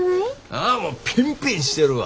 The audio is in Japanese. ああもうピンピンしてるわ。